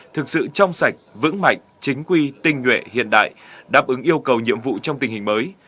thực sự trong sạch vững mạnh chính quy tinh nguyện hiện đại đáp ứng yêu cầu nhiệm vụ trong tình hình mới